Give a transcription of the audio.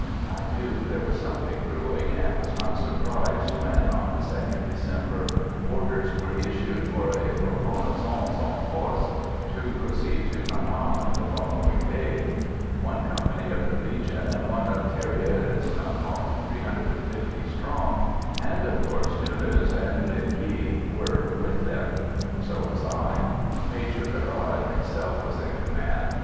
I knew there was something brewing, and was not surprised when, on the 2nd December, orders were issued for a reconnaissance en force to proceed to Nha Nam the following day. One company of the Legion and one of tirailleurs a column 350 strong and, of course, Deleuze and Linh Nghi, were with them; so was I. Major Berard himself was in command.